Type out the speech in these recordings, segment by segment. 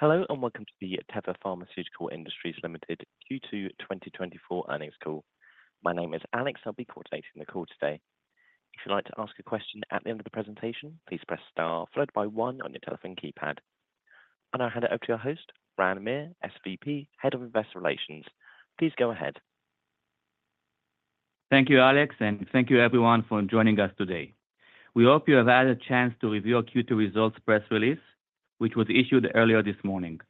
Hello and welcome to the Teva Pharmaceutical Industries Limited Q2 2024 earnings call. My name is Alex, and I'll be coordinating the call today. If you'd like to ask a question at the end of the presentation, please press star followed by one on your telephone keypad. I'll now hand it over to your host, Ran Meir, SVP, Head of Investor Relations. Please go ahead. Thank you, Alex, and thank you everyone for joining us today. We hope you have had a chance to review our Q2 results press release, which was issued earlier this morning.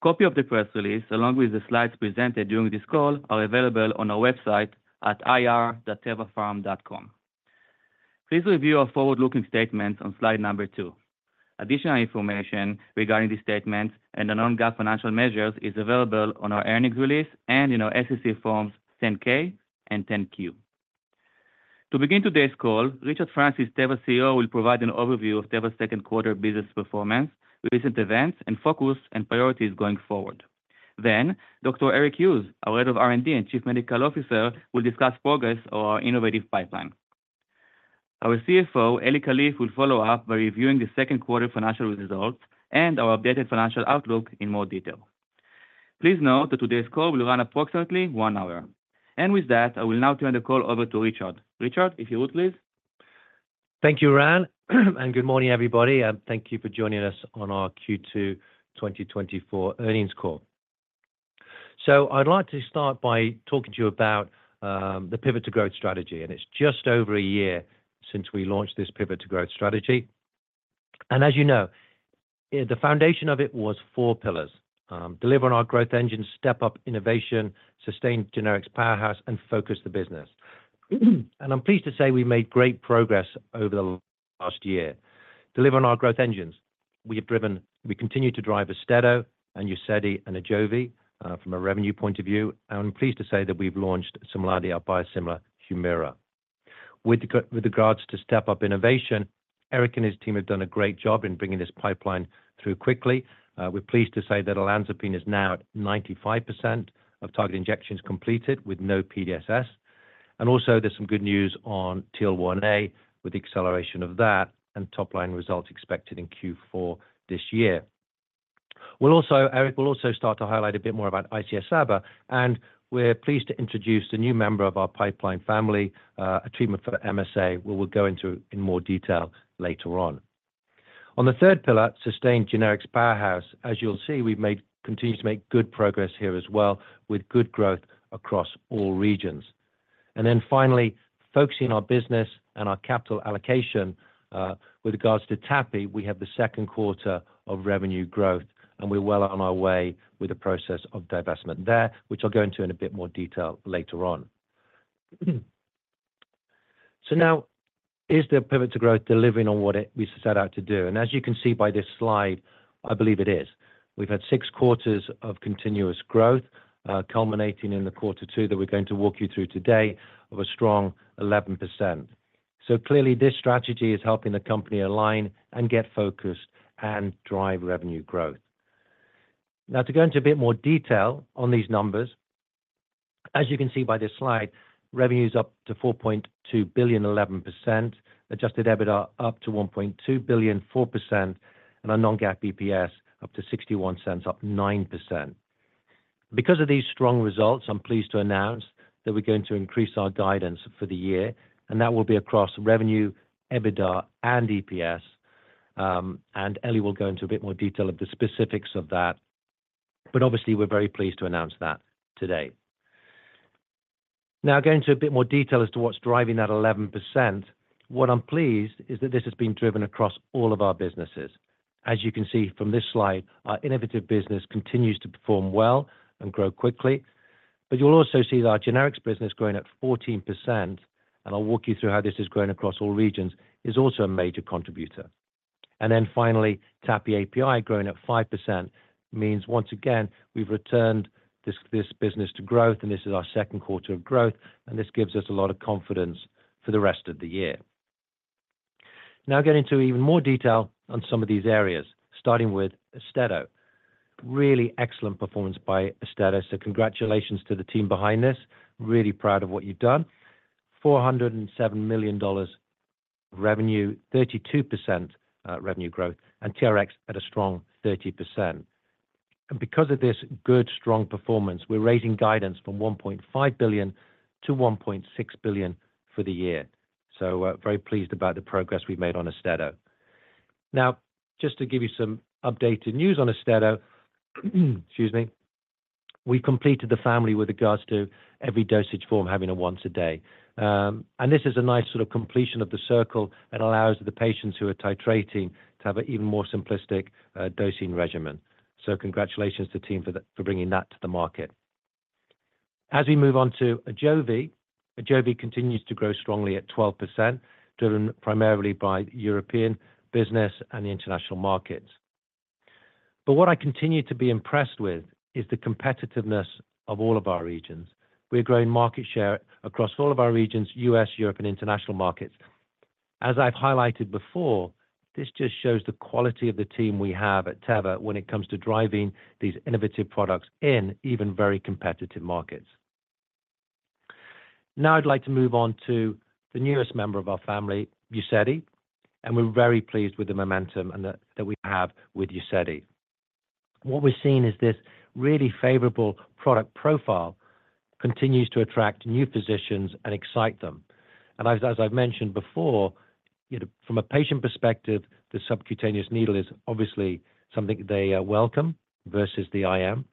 A copy of the press release, along with the slides presented during this call, is available on our website at ir.tevapharm.com. Please review our forward-looking statements on slide number 2. Additional information regarding the statements and the non-GAAP financial measures is available on our earnings release and in our SEC forms 10-K and 10-Q. To begin today's call, Richard Francis, Teva CEO, will provide an overview of Teva's second-quarter business performance, recent events, and focus and priorities going forward. Then, Dr. Eric Hughes, our Head of R&D and Chief Medical Officer, will discuss progress on our innovative pipeline. Our CFO, Eli Kalif, will follow up by reviewing the second-quarter financial results and our updated financial outlook in more detail. Please note that today's call will run approximately one hour. With that, I will now turn the call over to Richard. Richard, if you would, please. Thank you, Ran, and good morning, everybody. Thank you for joining us on our Q2 2024 earnings call. So I'd like to start by talking to you about the Pivot to Growth strategy. It's just over a year since we launched this Pivot to Growth strategy. As you know, the foundation of it was four pillars: delivering our growth engine, step up innovation, sustain generics powerhouse, and focus the business. I'm pleased to say we made great progress over the last year. Delivering our growth engines, we have driven, we continue to drive AUSTEDO, and UZEDY, and AJOVY from a revenue point of view. I'm pleased to say that we've launched SIMLANDI our biosimilar Humira. With regards to step up innovation, Eric and his team have done a great job in bringing this pipeline through quickly. We're pleased to say that olanzapine is now at 95% of target injections completed with no PDSS. And also, there's some good news on TL1A with the acceleration of that and top-line results expected in Q4 this year. Eric will also start to highlight a bit more about ICS/SABA. And we're pleased to introduce a new member of our pipeline family, a treatment for MSA, which we'll go into in more detail later on. On the third pillar, sustain generics powerhouse. As you'll see, we've continued to make good progress here as well with good growth across all regions. And then finally, focusing on our business and our capital allocation, with regards to TAPI, we have the second quarter of revenue growth, and we're well on our way with the process of divestment there, which I'll go into in a bit more detail later on. So now, is the Pivot to Growth delivering on what we set out to do? As you can see by this slide, I believe it is. We've had 6 quarters of continuous growth, culminating in the quarter two that we're going to walk you through today of a strong 11%. So clearly, this strategy is helping the company align and get focused and drive revenue growth. Now, to go into a bit more detail on these numbers, as you can see by this slide, revenues up to $4.2 billion, 11%. Adjusted EBITDA up to $1.2 billion, 4%. And our non-GAAP EPS up to $0.61, up 9%. Because of these strong results, I'm pleased to announce that we're going to increase our guidance for the year, and that will be across revenue, EBITDA, and EPS. Eli will go into a bit more detail of the specifics of that. But obviously, we're very pleased to announce that today. Now, going to a bit more detail as to what's driving that 11%, what I'm pleased is that this has been driven across all of our businesses. As you can see from this slide, our innovative business continues to perform well and grow quickly. But you'll also see that our generics business, growing at 14%, and I'll walk you through how this has grown across all regions, is also a major contributor. And then finally, TAPI API, growing at 5%, means once again, we've returned this business to growth, and this is our second quarter of growth. And this gives us a lot of confidence for the rest of the year. Now, getting into even more detail on some of these areas, starting with AUSTEDO. Really excellent performance by AUSTEDO. So congratulations to the team behind this. Really proud of what you've done. $407 million revenue, 32% revenue growth, and TRx at a strong 30%. And because of this good, strong performance, we're raising guidance from $1.5 billion to $1.6 billion for the year. So very pleased about the progress we've made on AUSTEDO. Now, just to give you some updated news on AUSTEDO, excuse me, we completed the family with regards to every dosage form having a once-a-day. And this is a nice sort of completion of the circle and allows the patients who are titrating to have an even more simplistic dosing regimen. So congratulations to the team for bringing that to the market. As we move on to AJOVY, AJOVY continues to grow strongly at 12%, driven primarily by European business and international markets. But what I continue to be impressed with is the competitiveness of all of our regions. We're growing market share across all of our regions, U.S., Europe, and international markets. As I've highlighted before, this just shows the quality of the team we have at Teva when it comes to driving these innovative products in even very competitive markets. Now, I'd like to move on to the newest member of our family, UZEDY. We're very pleased with the momentum that we have with UZEDY. What we're seeing is this really favorable product profile continues to attract new physicians and excite them. As I've mentioned before, from a patient perspective, the subcutaneous needle is obviously something they welcome versus the IM.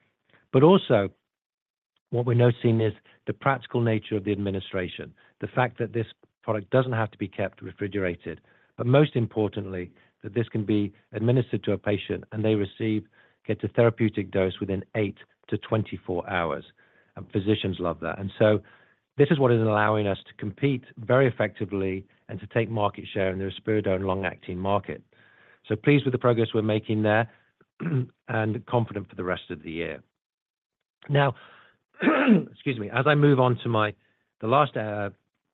But also, what we're now seeing is the practical nature of the administration, the fact that this product doesn't have to be kept refrigerated, but most importantly, that this can be administered to a patient and they receive a therapeutic dose within 8-24 hours. Physicians love that. So this is what is allowing us to compete very effectively and to take market share in the risperidone long-acting market. Pleased with the progress we're making there and confident for the rest of the year. Now, excuse me, as I move on to the last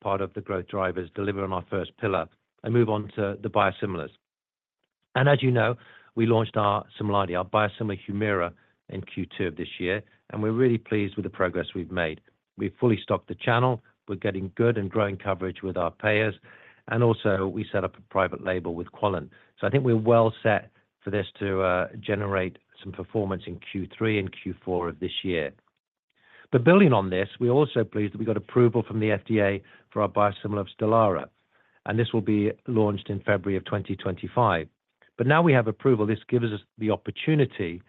part of the growth drivers delivering our first pillar, I move on to the biosimilars. As you know, we launched our SIMLANDI, our biosimilar Humira in Q2 of this year, and we're really pleased with the progress we've made. We've fully stocked the channel. We're getting good and growing coverage with our payers. And also, we set up a private label with Quallent. So I think we're well set for this to generate some performance in Q3 and Q4 of this year. But building on this, we're also pleased that we got approval from the FDA for our biosimilar Stelara. And this will be launched in February of 2025. But now we have approval. This gives us the opportunity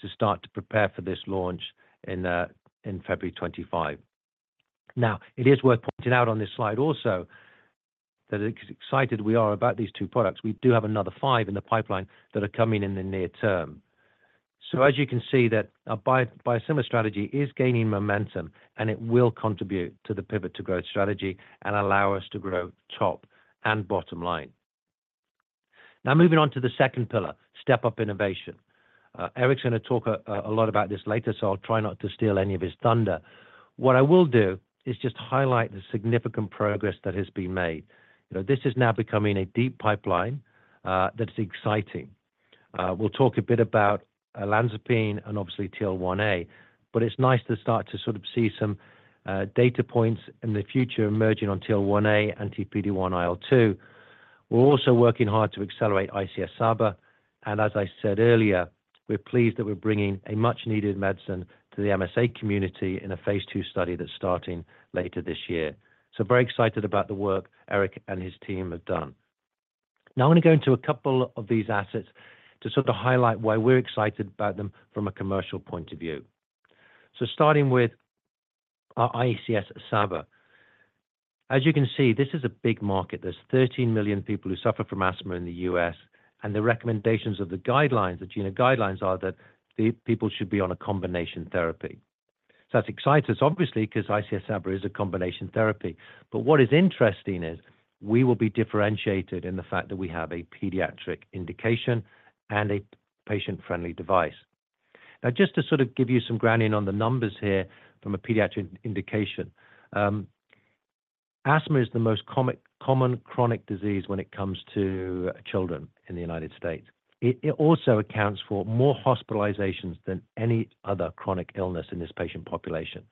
to start to prepare for this launch in February 2025. Now, it is worth pointing out on this slide also that excited we are about these two products. We do have another five in the pipeline that are coming in the near term. So as you can see, our biosimilar strategy is gaining momentum, and it will contribute to the Pivot to Growth strategy and allow us to grow top and bottom line. Now, moving on to the second pillar, step up innovation. Eric's going to talk a lot about this later, so I'll try not to steal any of his thunder. What I will do is just highlight the significant progress that has been made. This is now becoming a deep pipeline that's exciting. We'll talk a bit about olanzapine and obviously TL1A, but it's nice to start to sort of see some data points in the future emerging on TL1A and PD-1 IL-2. We're also working hard to accelerate ICS/SABA. And as I said earlier, we're pleased that we're bringing a much-needed medicine to the MSA community in a phase II study that's starting later this year. So very excited about the work Eric and his team have done. Now, I'm going to go into a couple of these assets to sort of highlight why we're excited about them from a commercial point of view. So starting with our ICS/SABA. As you can see, this is a big market. There's 13 million people who suffer from asthma in the U.S., and the recommendations of the guidelines, the GINA guidelines, are that people should be on a combination therapy. So that's exciting, obviously, because ICS/SABA is a combination therapy. But what is interesting is we will be differentiated in the fact that we have a pediatric indication and a patient-friendly device. Now, just to sort of give you some grounding on the numbers here from a pediatric indication, asthma is the most common chronic disease when it comes to children in the United States. It also accounts for more hospitalizations than any other chronic illness in this patient population.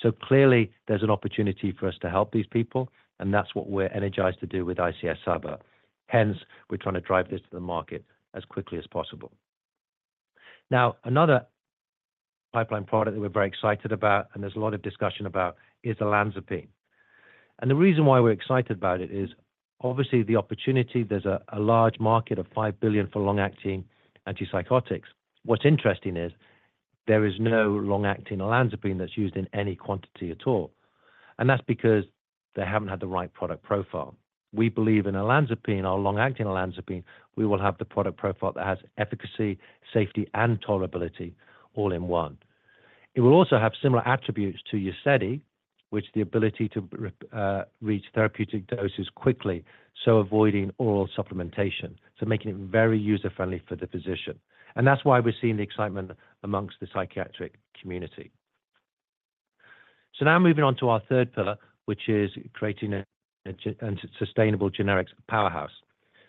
So clearly, there's an opportunity for us to help these people, and that's what we're energized to do with ICS/SABA. Hence, we're trying to drive this to the market as quickly as possible. Now, another pipeline product that we're very excited about, and there's a lot of discussion about, is olanzapine. And the reason why we're excited about it is obviously the opportunity. There's a large market of $5 billion for long-acting antipsychotics. What's interesting is there is no long-acting olanzapine that's used in any quantity at all. And that's because they haven't had the right product profile. We believe in olanzapine, our long-acting olanzapine, we will have the product profile that has efficacy, safety, and tolerability all in one. It will also have similar attributes to UZEDY, which is the ability to reach therapeutic doses quickly, so avoiding oral supplementation, so making it very user-friendly for the physician. And that's why we're seeing the excitement among the psychiatric community. So now moving on to our third pillar, which is creating a sustainable generics powerhouse.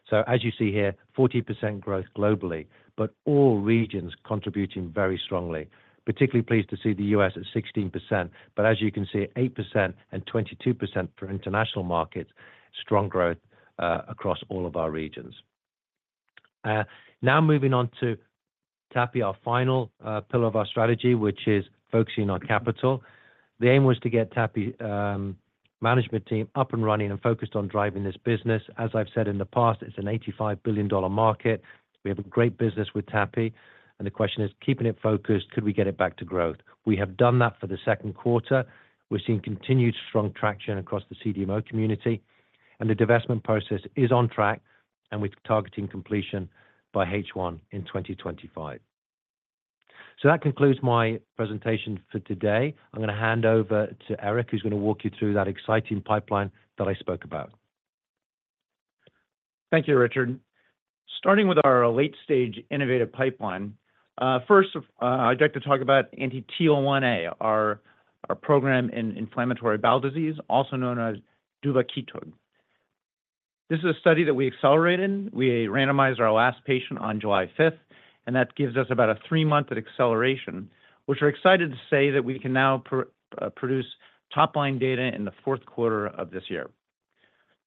So as you see here, 40% growth globally, but all regions contributing very strongly. Particularly pleased to see the U.S. at 16%, but as you can see, 8% and 22% for international markets, strong growth across all of our regions. Now moving on to TAPI, our final pillar of our strategy, which is focusing on capital. The aim was to get TAPI's management team up and running and focused on driving this business. As I've said in the past, it's an $85 billion market. We have a great business with TAPI. And the question is, keeping it focused, could we get it back to growth? We have done that for the second quarter. We're seeing continued strong traction across the CDMO community. The divestment process is on track, and we're targeting completion by H1 in 2025. That concludes my presentation for today. I'm going to hand over to Eric, who's going to walk you through that exciting pipeline that I spoke about. Thank you, Richard. Starting with our late-stage innovative pipeline, first, I'd like to talk about anti-TL1A, our program in inflammatory bowel disease, also known as duvakitug. This is a study that we accelerated. We randomized our last patient on July 5th, and that gives us about a three-month acceleration, which we're excited to say that we can now produce top-line data in the fourth quarter of this year.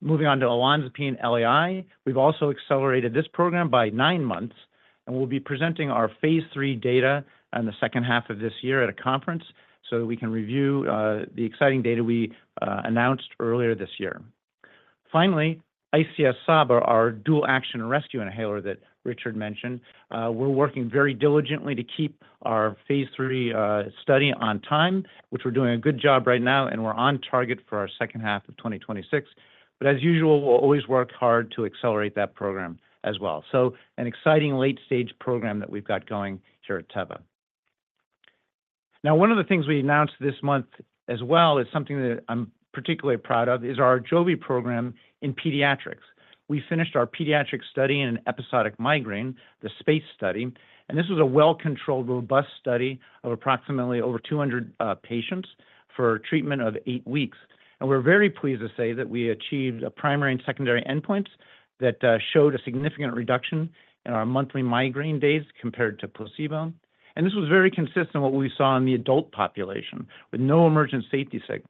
Moving on to olanzapine LAI, we've also accelerated this program by nine months, and we'll be presenting our phase III data in the second half of this year at a conference so that we can review the exciting data we announced earlier this year. Finally, ICS/SABA, our dual-action rescue inhaler that Richard mentioned, we're working very diligently to keep our phase III study on time, which we're doing a good job right now, and we're on target for our second half of 2026. But as usual, we'll always work hard to accelerate that program as well. So an exciting late-stage program that we've got going here at Teva. Now, one of the things we announced this month as well, is something that I'm particularly proud of, is our AJOVY program in pediatrics. We finished our pediatric study in an episodic migraine, the SPACE study. This was a well-controlled, robust study of approximately over 200 patients for treatment of 8 weeks. We're very pleased to say that we achieved primary and secondary endpoints that showed a significant reduction in our monthly migraine days compared to placebo. This was very consistent with what we saw in the adult population, with no emergent safety signals.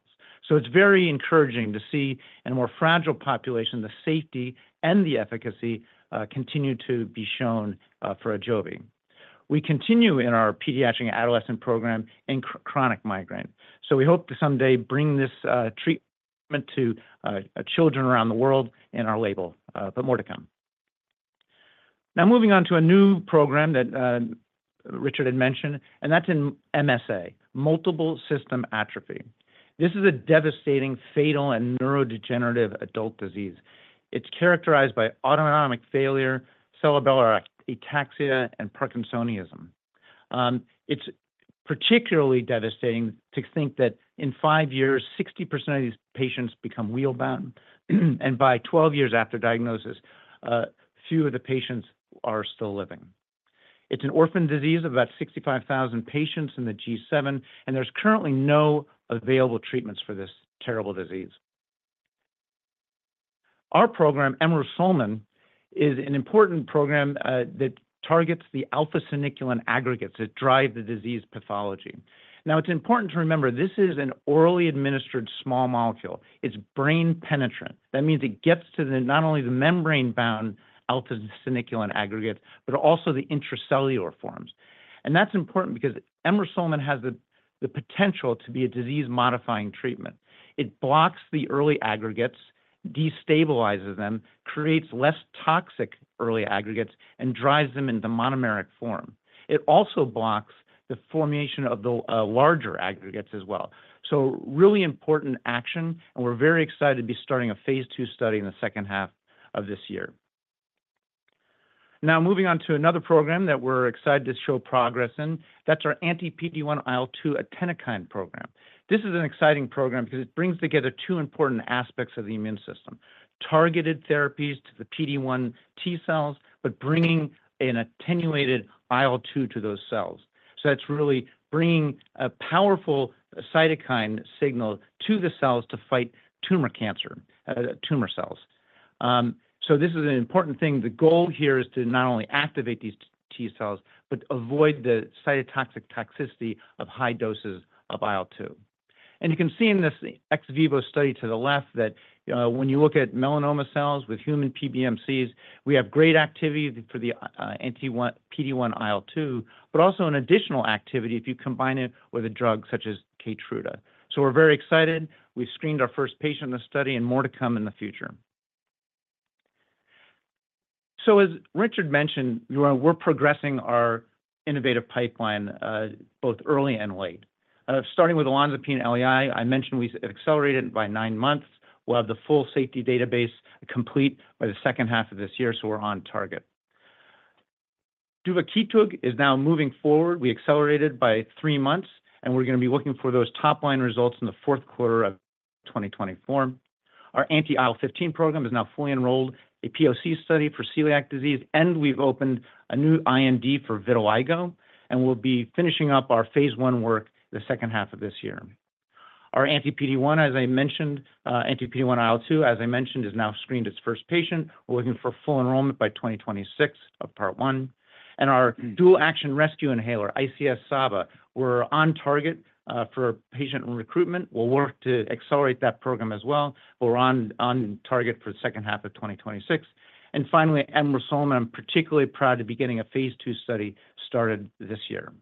It's very encouraging to see in a more fragile population the safety and the efficacy continue to be shown for AJOVY. We continue in our pediatric adolescent program in chronic migraine. We hope to someday bring this treatment to children around the world in our label, but more to come. Now, moving on to a new program that Richard had mentioned, and that's in MSA, multiple system atrophy. This is a devastating, fatal, and neurodegenerative adult disease. It's characterized by autonomic failure, cerebellar ataxia, and parkinsonism. It's particularly devastating to think that in five years, 60% of these patients become wheelbound, and by 12 years after diagnosis, few of the patients are still living. It's an orphan disease of about 65,000 patients in the G7, and there's currently no available treatments for this terrible disease. Our program, anle138b, is an important program that targets the alpha-synuclein aggregates that drive the disease pathology. Now, it's important to remember this is an orally administered small molecule. It's brain-penetrant. That means it gets to not only the membrane-bound alpha-synuclein aggregates, but also the intracellular forms. And that's important because anle138b has the potential to be a disease-modifying treatment. It blocks the early aggregates, destabilizes them, creates less toxic early aggregates, and drives them into monomeric form. It also blocks the formation of the larger aggregates as well. So really important action, and we're very excited to be starting a phase II study in the second half of this year. Now, moving on to another program that we're excited to show progress in, that's our anti-PD-1 IL-2 program. This is an exciting program because it brings together two important aspects of the immune system: targeted therapies to the PD-1 T cells, but bringing an attenuated IL-2 to those cells. So that's really bringing a powerful cytokine signal to the cells to fight tumor cancer, tumor cells. So this is an important thing. The goal here is to not only activate these T cells, but avoid the cytotoxic toxicity of high doses of IL-2. You can see in this ex vivo study to the left that when you look at melanoma cells with human PBMCs, we have great activity for the anti-PD-1 IL-2, but also an additional activity if you combine it with a drug such as Keytruda. So we're very excited. We've screened our first patient in the study and more to come in the future. So as Richard mentioned, we're progressing our innovative pipeline both early and late. Starting with olanzapine LAI, I mentioned we accelerated by nine months. We'll have the full safety database complete by the second half of this year, so we're on target. Duvakitug is now moving forward. We accelerated by three months, and we're going to be looking for those top-line results in the fourth quarter of 2024. Our anti-IL-15 program is now fully enrolled, a POC study for celiac disease, and we've opened a new IND for vitiligo, and we'll be finishing up our phase I work the second half of this year. Our anti-PD-1, as I mentioned, anti-PD-1 IL-2, as I mentioned, is now screened as first patient. We're looking for full enrollment by 2026 of part one. And our dual-action rescue inhaler, ICS/SABA, we're on target for patient recruitment. We'll work to accelerate that program as well. We're on target for the second half of 2026. And finally, anle138b, I'm particularly proud to be getting a phase II study started this year.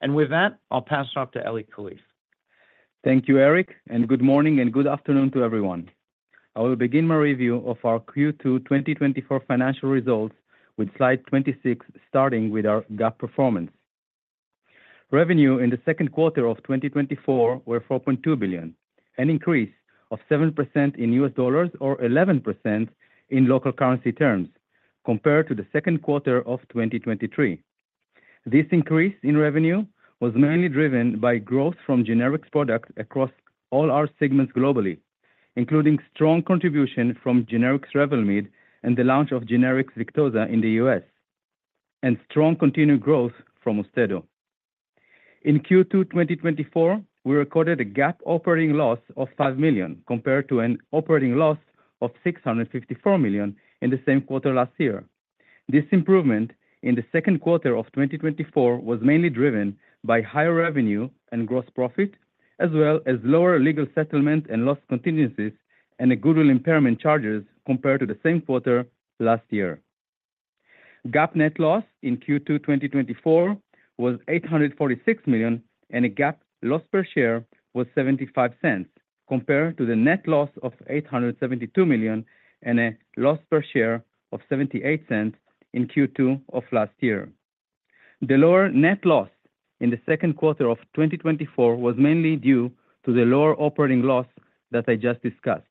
And with that, I'll pass it off to Eli Kalif. Thank you, Eric, and good morning and good afternoon to everyone. I will begin my review of our Q2 2024 financial results with slide 26, starting with our GAAP performance. Revenue in the second quarter of 2024 was $4.2 billion, an increase of 7% in U.S. dollars or 11% in local currency terms compared to the second quarter of 2023. This increase in revenue was mainly driven by growth from generic products across all our segments globally, including strong contribution from generic Revlimid and the launch of generic Victoza in the U.S., and strong continued growth from AUSTEDO. In Q2 2024, we recorded a GAAP operating loss of $5 million compared to an operating loss of $654 million in the same quarter last year. This improvement in the second quarter of 2024 was mainly driven by higher revenue and gross profit, as well as lower legal settlement and loss contingencies and goodwill impairment charges compared to the same quarter last year. GAAP net loss in Q2 2024 was $846 million, and a GAAP loss per share was $0.75 compared to the net loss of $872 million and a loss per share of $0.78 in Q2 of last year. The lower net loss in the second quarter of 2024 was mainly due to the lower operating loss that I just discussed,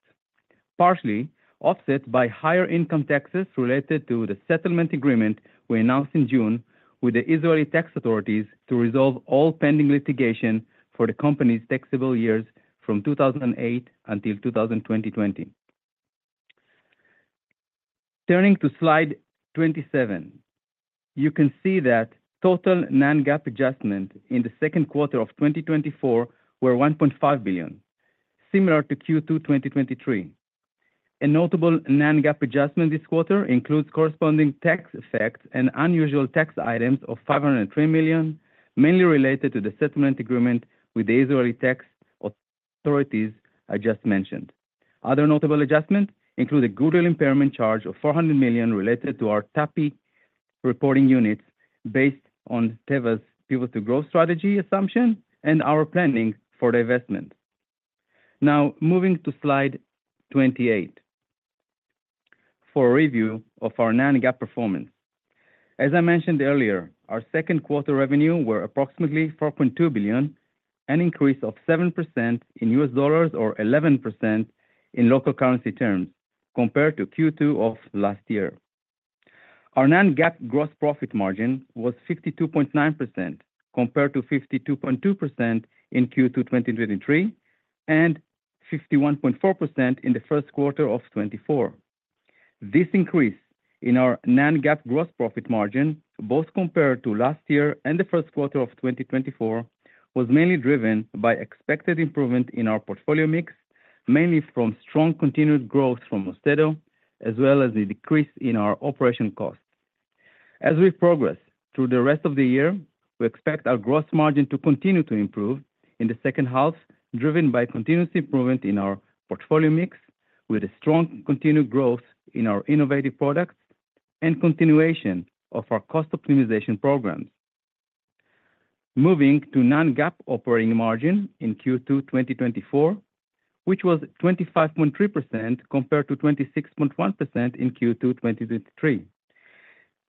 partially offset by higher income taxes related to the settlement agreement we announced in June with the Israeli tax authorities to resolve all pending litigation for the company's taxable years from 2008 until 2020. Turning to slide 27, you can see that total non-GAAP adjustment in the second quarter of 2024 was $1.5 billion, similar to Q2 2023. A notable non-GAAP adjustment this quarter includes corresponding tax effects and unusual tax items of $503 million, mainly related to the settlement agreement with the Israeli tax authorities I just mentioned. Other notable adjustments include a goodwill impairment charge of $400 million related to our TAPI reporting units based on Teva's Pivot to Growth strategy assumption and our planning for divestment. Now, moving to slide 28 for a review of our non-GAAP performance. As I mentioned earlier, our second quarter revenue was approximately $4.2 billion, an increase of 7% in U.S. dollars or 11% in local currency terms compared to Q2 of last year. Our non-GAAP gross profit margin was 52.9% compared to 52.2% in Q2 2023 and 51.4% in the first quarter of 2024. This increase in our non-GAAP gross profit margin, both compared to last year and the first quarter of 2024, was mainly driven by expected improvement in our portfolio mix, mainly from strong continued growth from AUSTEDO, as well as the decrease in our operating costs. As we progress through the rest of the year, we expect our gross margin to continue to improve in the second half, driven by continuous improvement in our portfolio mix with a strong continued growth in our innovative products and continuation of our cost optimization programs. Moving to non-GAAP operating margin in Q2 2024, which was 25.3% compared to 26.1% in Q2 2023.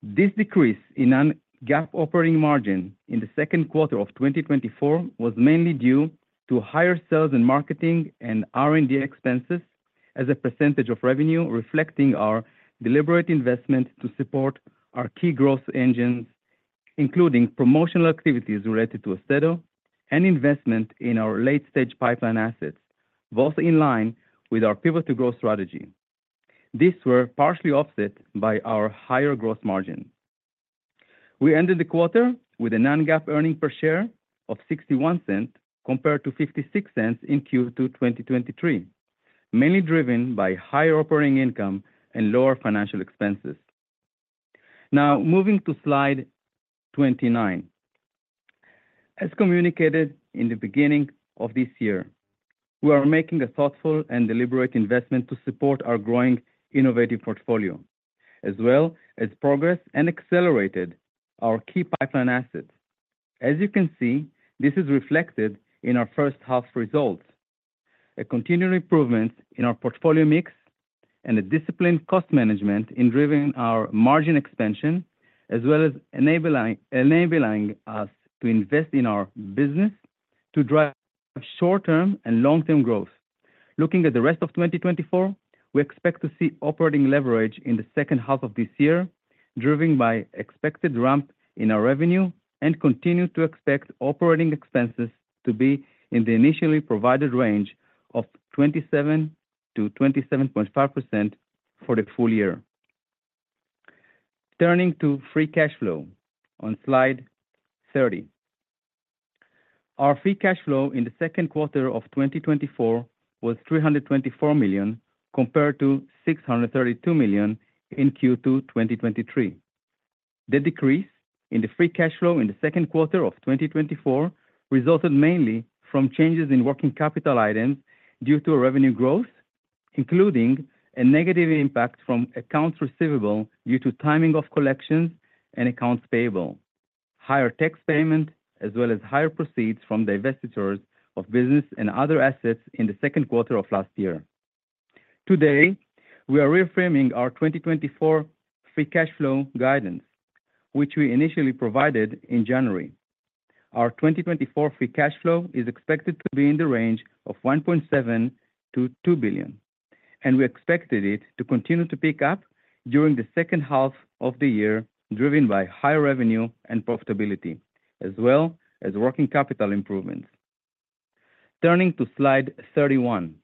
This decrease in non-GAAP operating margin in the second quarter of 2024 was mainly due to higher sales and marketing and R&D expenses as a percentage of revenue, reflecting our deliberate investment to support our key growth engines, including promotional activities related to AUSTEDO and investment in our late-stage pipeline assets, both in line with our Pivot to Growth strategy. These were partially offset by our higher gross margin. We ended the quarter with a non-GAAP earnings per share of $0.61 compared to $0.56 in Q2 2023, mainly driven by higher operating income and lower financial expenses. Now, moving to slide 29. As communicated in the beginning of this year, we are making a thoughtful and deliberate investment to support our growing innovative portfolio, as well as progress and accelerated our key pipeline assets. As you can see, this is reflected in our first-half results, a continued improvement in our portfolio mix, and a disciplined cost management in driving our margin expansion, as well as enabling us to invest in our business to drive short-term and long-term growth. Looking at the rest of 2024, we expect to see operating leverage in the second half of this year, driven by expected ramp in our revenue, and continue to expect operating expenses to be in the initially provided range of 27%-27.5% for the full year. Turning to free cash flow on slide 30, our free cash flow in the second quarter of 2024 was $324 million compared to $632 million in Q2 2023. The decrease in the free cash flow in the second quarter of 2024 resulted mainly from changes in working capital items due to revenue growth, including a negative impact from accounts receivable due to timing of collections and accounts payable, higher tax payment, as well as higher proceeds from divestitures of business and business and other assets in the second quarter of last year. Today, we are reframing our 2024 Free Cash Flow guidance, which we initially provided in January. Our 2024 Free Cash Flow is expected to be in the range of $1.7 billion-$2 billion, and we expected it to continue to pick up during the second half of the year, driven by higher revenue and profitability, as well as working capital improvements. Turning to slide 31,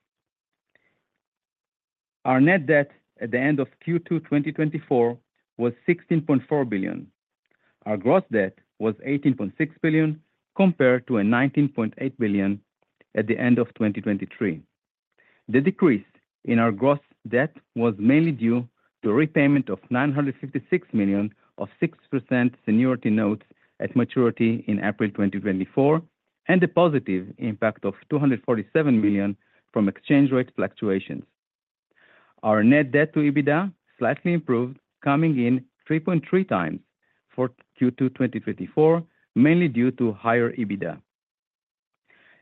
our net debt at the end of Q2 2024 was $16.4 billion. Our gross debt was $18.6 billion compared to $19.8 billion at the end of 2023. The decrease in our gross debt was mainly due to repayment of $956 million of 6% seniority notes at maturity in April 2024, and a positive impact of $247 million from exchange rate fluctuations. Our net debt to EBITDA slightly improved, coming in 3.3x for Q2 2024, mainly due to higher EBITDA.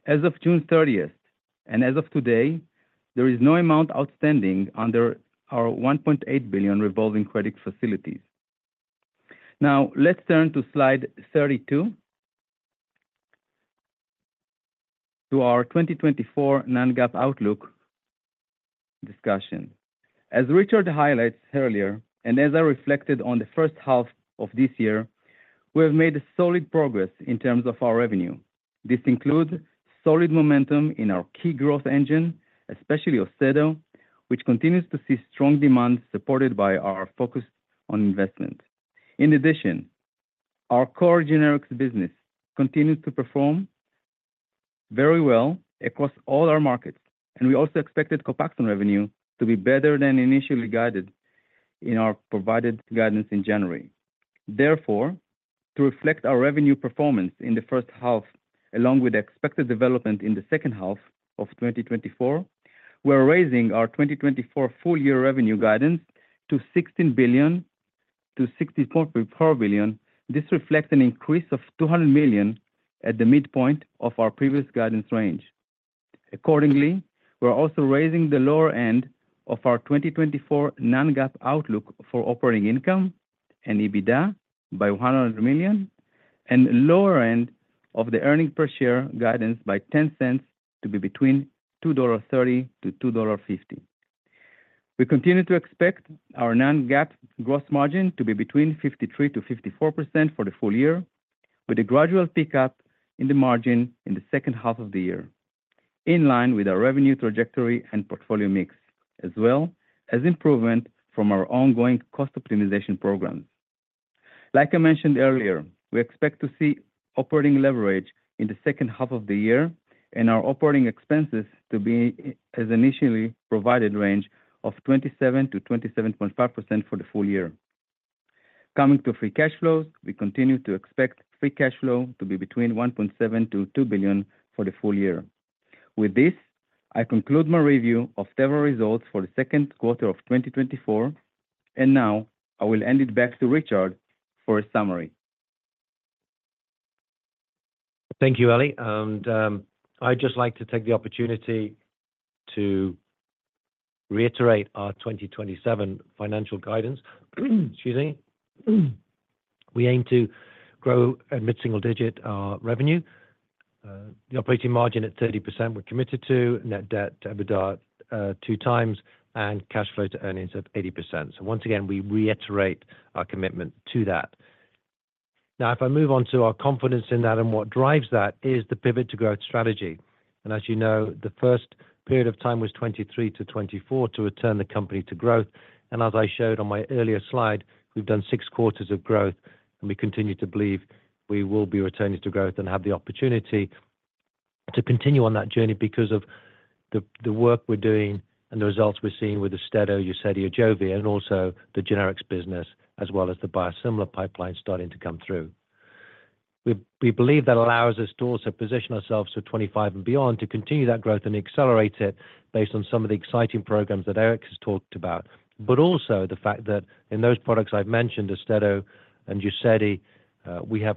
As of June 30, and as of today, there is no amount outstanding under our $1.8 billion revolving credit facilities. Now, let's turn to slide 32 to our 2024 non-GAAP outlook discussion. As Richard highlighted earlier, and as I reflected on the first half of this year, we have made solid progress in terms of our revenue. This includes solid momentum in our key growth engine, especially AUSTEDO, which continues to see strong demand supported by our focus on investment. In addition, our core generics business continues to perform very well across all our markets, and we also expected COPAXONE revenue to be better than initially guided in our provided guidance in January. Therefore, to reflect our revenue performance in the first half, along with the expected development in the second half of 2024, we are raising our 2024 full year revenue guidance to $16 billion-$16.4 billion. This reflects an increase of $200 million at the midpoint of our previous guidance range. Accordingly, we are also raising the lower end of our 2024 non-GAAP outlook for operating income and EBITDA by $100 million, and the lower end of the earnings per share guidance by 10 cents to be between $2.30-$2.50. We continue to expect our non-GAAP gross margin to be between 53%-54% for the full year, with a gradual pickup in the margin in the second half of the year, in line with our revenue trajectory and portfolio mix, as well as improvement from our ongoing cost optimization programs. Like I mentioned earlier, we expect to see operating leverage in the second half of the year and our operating expenses to be in the initially provided range of 27%-27.5% for the full year. Coming to free cash flows, we continue to expect free cash flow to be between $1.7 billion-$2 billion for the full year. With this, I conclude my review of Teva Pharma's results for the second quarter of 2024, and now I will hand it back to Richard for a summary. Thank you, Eli. I'd just like to take the opportunity to reiterate our 2027 financial guidance. Excuse me. We aim to grow at mid-single digit our revenue, the operating margin at 30% we're committed to, net debt to EBITDA 2x, and cash flow to earnings at 80%. So once again, we reiterate our commitment to that. Now, if I move on to our confidence in that and what drives that is the Pivot to Growth strategy. And as you know, the first period of time was 2023-2024 to return the company to growth. As I showed on my earlier slide, we've done six quarters of growth, and we continue to believe we will be returning to growth and have the opportunity to continue on that journey because of the work we're doing and the results we're seeing with AUSTEDO, UZEDY, AJOVY, and also the generics business, as well as the biosimilar pipeline starting to come through. We believe that allows us to also position ourselves for 2025 and beyond to continue that growth and accelerate it based on some of the exciting programs that Eric has talked about, but also the fact that in those products I've mentioned, AUSTEDO and UZEDY, we have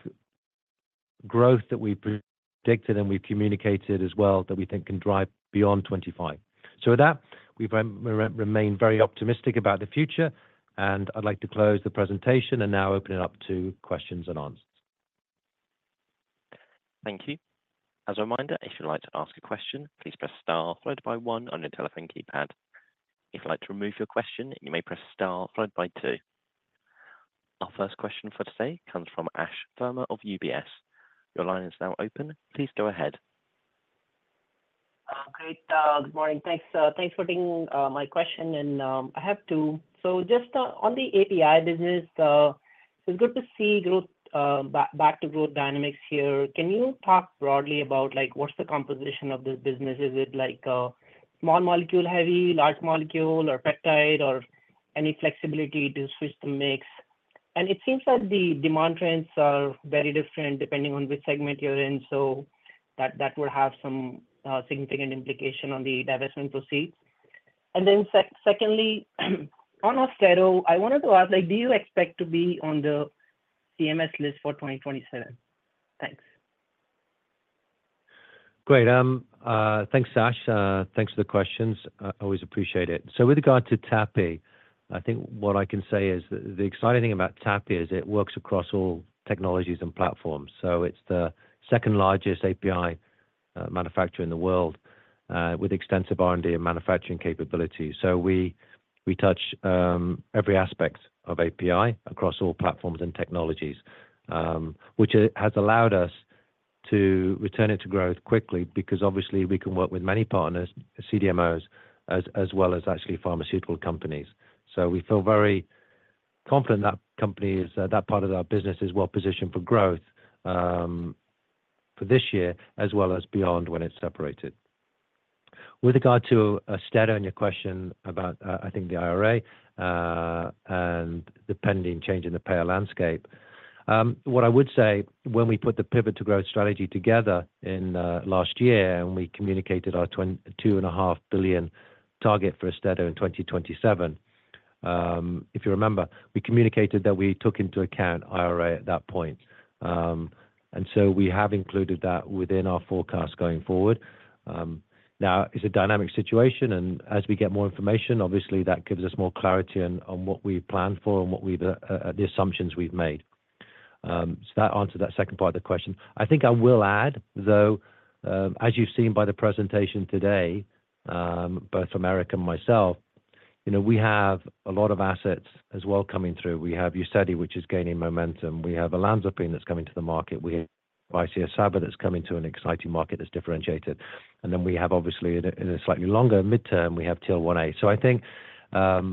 growth that we've predicted and we've communicated as well that we think can drive beyond 2025. So with that, we remain very optimistic about the future, and I'd like to close the presentation and now open it up to questions and answers. Thank you. As a reminder, if you'd like to ask a question, please press star followed by one on your telephone keypad. If you'd like to remove your question, you may press star followed by two. Our first question for today comes from Ashwani Verma of UBS. Your line is now open. Please go ahead. Great. Good morning. Thanks for taking my question, and I have two. So just on the API business, it's good to see back to growth dynamics here. Can you talk broadly about what's the composition of this business? Is it small molecule heavy, large molecule, or peptide, or any flexibility to switch the mix? It seems that the demand trends are very different depending on which segment you're in, so that would have some significant implication on the divestment proceeds. And then secondly, on AUSTEDO, I wanted to ask, do you expect to be on the CMS list for 2027? Thanks. Great. Thanks, Ash. Thanks for the questions. I always appreciate it. So with regard to TAPI, I think what I can say is the exciting thing about TAPI is it works across all technologies and platforms. So it's the second largest API manufacturer in the world with extensive R&D and manufacturing capabilities. So we touch every aspect of API across all platforms and technologies, which has allowed us to return it to growth quickly because, obviously, we can work with many partners, CDMOs, as well as actually pharmaceutical companies. So we feel very confident that company is that part of our business is well positioned for growth for this year as well as beyond when it's separated. With regard to AUSTEDO and your question about, I think, the IRA and the pending change in the payer landscape, what I would say when we put the Pivot to Growth strategy together in last year and we communicated our $2.5 billion target for AUSTEDO in 2027, if you remember, we communicated that we took into account IRA at that point. And so we have included that within our forecast going forward. Now, it's a dynamic situation, and as we get more information, obviously, that gives us more clarity on what we plan for and the assumptions we've made. So that answered that second part of the question. I think I will add, though, as you've seen by the presentation today, both from Eric and myself, we have a lot of assets as well coming through. We have UZEDY, which is gaining momentum. We have olanzapine that's coming to the market. We have ICS/SABA, that's coming to an exciting market that's differentiated. And then we have, obviously, in a slightly longer midterm, we have TL1A. So I think I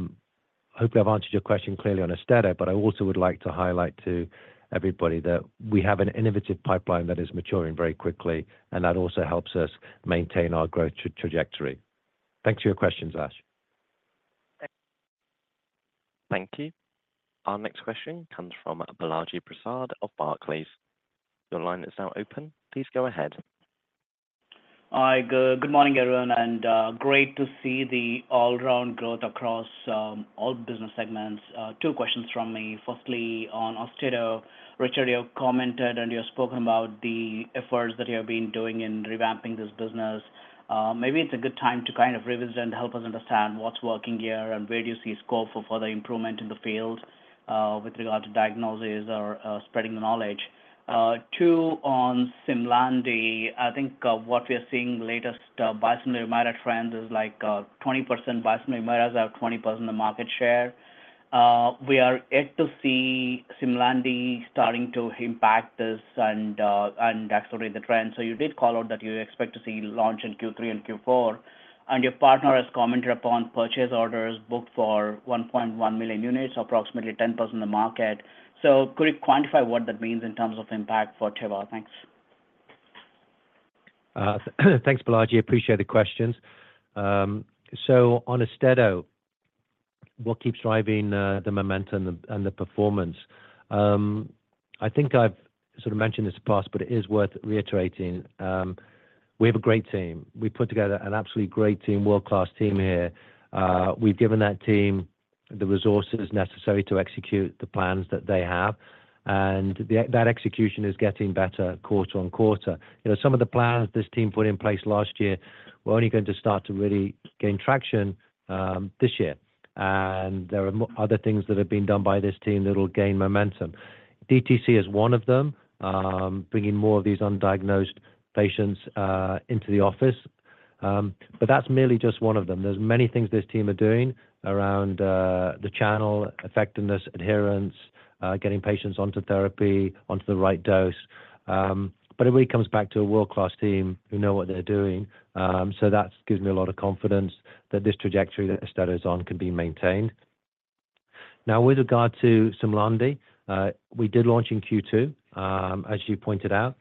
hope I've answered your question clearly on AUSTEDO, but I also would like to highlight to everybody that we have an innovative pipeline that is maturing very quickly, and that also helps us maintain our growth trajectory. Thanks for your question, Sach. Thank you. Our next question comes from Balaji Prasad of Barclays. Your line is now open. Please go ahead. Hi. Good morning, everyone, and great to see the all-around growth across all business segments. Two questions from me. Firstly, on AUSTEDO, Richard, you commented and you spoke about the efforts that you have been doing in revamping this business. Maybe it's a good time to kind of revisit and help us understand what's working here and where do you see scope for further improvement in the field with regard to diagnosis or spreading the knowledge. Two, on SIMLANDI, I think what we are seeing latest biosimilar merit trends is like 20% biosimilar merits have 20% of the market share. We are yet to see SIMLANDI starting to impact this and accelerate the trend. So you did call out that you expect to see launch in Q3 and Q4, and your partner has commented upon purchase orders booked for 1.1 million units, approximately 10% of the market. So could you quantify what that means in terms of impact for Teva? Thanks. Thanks, Balaji. Appreciate the questions. So on AUSTEDO, what keeps driving the momentum and the performance? I think I've sort of mentioned this in the past, but it is worth reiterating. We have a great team. We've put together an absolutely great team, world-class team here. We've given that team the resources necessary to execute the plans that they have, and that execution is getting better quarter on quarter. Some of the plans this team put in place last year were only going to start to really gain traction this year, and there are other things that have been done by this team that will gain momentum. DTC is one of them, bringing more of these undiagnosed patients into the office, but that's merely just one of them. There's many things this team are doing around the channel, effectiveness, adherence, getting patients onto therapy, onto the right dose, but it really comes back to a world-class team who know what they're doing. So that gives me a lot of confidence that this trajectory that AUSTEDO is on can be maintained. Now, with regard to SIMLANDI, we did launch in Q2, as you pointed out,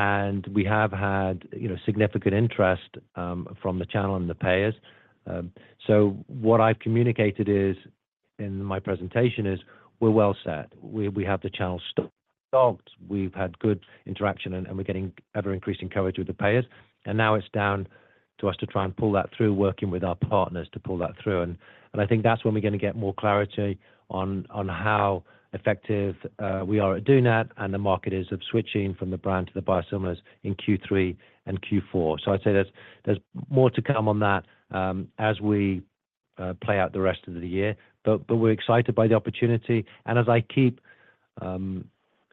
and we have had significant interest from the channel and the payers. So what I've communicated in my presentation is we're well set. We have the channel stocked. We've had good interaction, and we're getting ever-increasing coverage with the payers, and now it's down to us to try and pull that through, working with our partners to pull that through. And I think that's when we're going to get more clarity on how effective we are at doing that, and the market is of switching from the brand to the biosimilars in Q3 and Q4. So I'd say there's more to come on that as we play out the rest of the year, but we're excited by the opportunity. And as I keep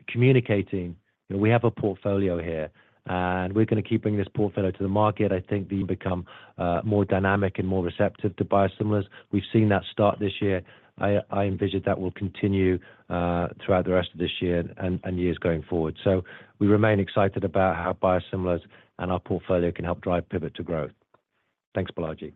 communicating, we have a portfolio here, and we're going to keep bringing this portfolio to the market. I think become more dynamic and more receptive to biosimilars. We've seen that start this year. I envision that will continue throughout the rest of this year and years going forward. So we remain excited about how biosimilars and our portfolio can help drive Pivot to Growth. Thanks, Balaji.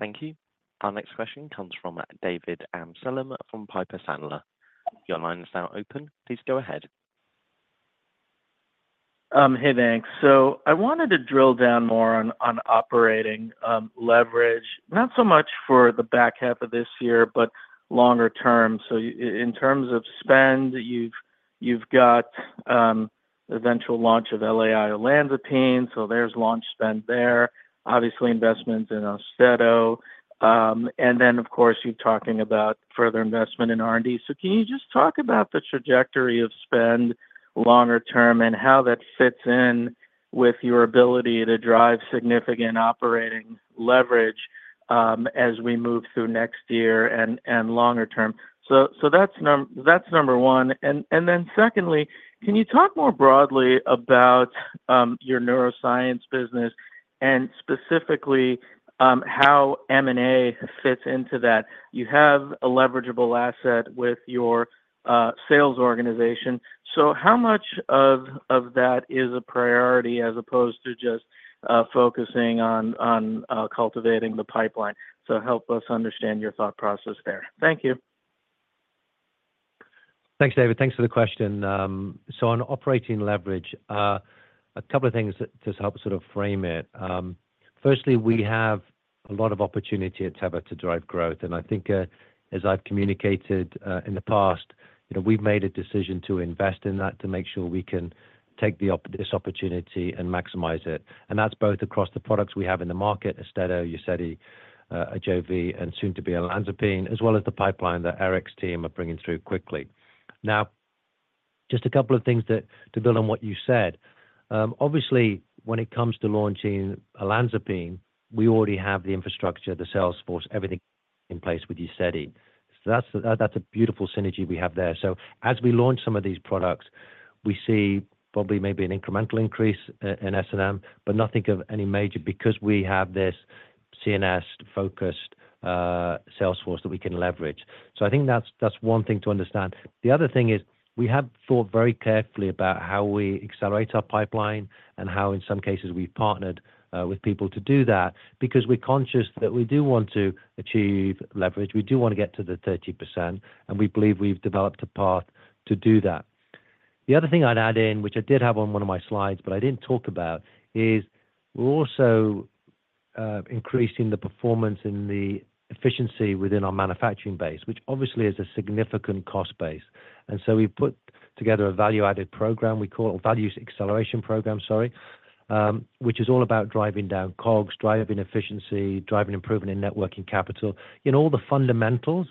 Thank you. Our next question comes from David Amsellem from Piper Sandler. Your line is now open. Please go ahead. Hey, thanks. So I wanted to drill down more on operating leverage, not so much for the back half of this year, but longer term. So in terms of spend, you've got eventual launch of olanzapine LAI, so there's launch spend there, obviously investments in AUSTEDO, and then, of course, you're talking about further investment in R&D. So can you just talk about the trajectory of spend longer term and how that fits in with your ability to drive significant operating leverage as we move through next year and longer term? So that's number one. And then secondly, can you talk more broadly about your neuroscience business and specifically how M&A fits into that? You have a leverageable asset with your sales organization. So how much of that is a priority as opposed to just focusing on cultivating the pipeline? So help us understand your thought process there. Thank you. Thanks, David. Thanks for the question. So on operating leverage, a couple of things to help sort of frame it. Firstly, we have a lot of opportunity at Teva to drive growth. And I think, as I've communicated in the past, we've made a decision to invest in that to make sure we can take this opportunity and maximize it. And that's both across the products we have in the market, AUSTEDO, UZEDY, AJOVY, and soon to be olanzapine, as well as the pipeline that Eric's team are bringing through quickly. Now, just a couple of things to build on what you said. Obviously, when it comes to launching olanzapine, we already have the infrastructure, the sales force, everything in place with UZEDY. So that's a beautiful synergy we have there. So as we launch some of these products, we see probably maybe an incremental increase in S&M, but nothing of any major because we have this CNS-focused sales force that we can leverage. So I think that's one thing to understand. The other thing is we have thought very carefully about how we accelerate our pipeline and how, in some cases, we've partnered with people to do that because we're conscious that we do want to achieve leverage. We do want to get to the 30%, and we believe we've developed a path to do that. The other thing I'd add in, which I did have on one of my slides, but I didn't talk about, is we're also increasing the performance and the efficiency within our manufacturing base, which obviously is a significant cost base. And so we've put together a value-added program. We call it a value acceleration program, sorry, which is all about driving down COGS, driving efficiency, driving improvement in net working capital, all the fundamentals,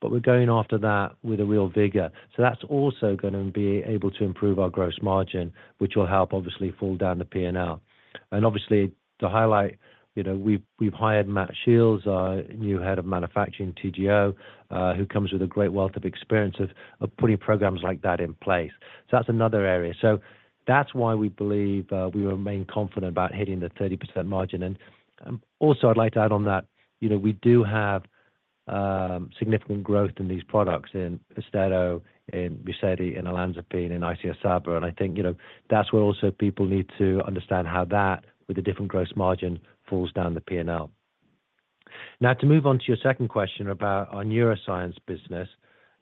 but we're going after that with a real vigor. So that's also going to be able to improve our gross margin, which will help, obviously, fall down the P&L. And obviously, to highlight, we've hired Matt Shields, our new head of manufacturing TGO, who comes with a great wealth of experience of putting programs like that in place. So that's another area. So that's why we believe we remain confident about hitting the 30% margin. And also, I'd like to add on that we do have significant growth in these products in AUSTEDO, in UZEDY, in olanzapine, in ICS/SABA. And I think that's where also people need to understand how that, with a different gross margin, falls down the P&L. Now, to move on to your second question about our neuroscience business,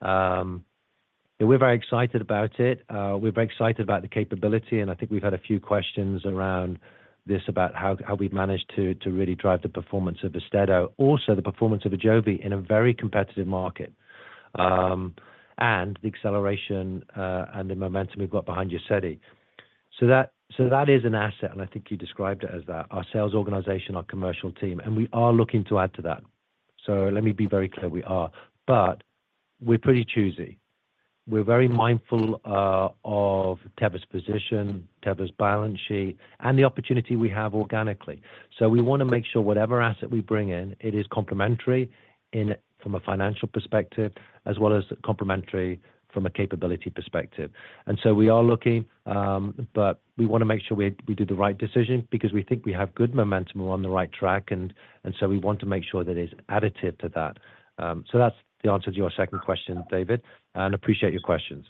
we're very excited about it. We're very excited about the capability, and I think we've had a few questions around this about how we've managed to really drive the performance of AUSTEDO, also the performance of AJOVY in a very competitive market, and the acceleration and the momentum we've got behind UZEDY. So that is an asset, and I think you described it as that, our sales organization, our commercial team, and we are looking to add to that. So let me be very clear, we are, but we're pretty choosy. We're very mindful of Teva's position, Teva's balance sheet, and the opportunity we have organically. So we want to make sure whatever asset we bring in, it is complementary from a financial perspective as well as complementary from a capability perspective. We are looking, but we want to make sure we do the right decision because we think we have good momentum. We're on the right track, and so we want to make sure that it's additive to that. So that's the answer to your second question, David, and appreciate your questions.